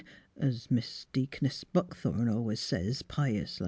— es Miss Deaconess Buckthorn always says pious.